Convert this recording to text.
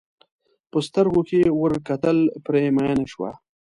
په سترګو کې یې ور کتل پرې مینه شوه.